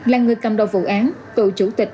là người cầm đo vụ án tù chủ tịch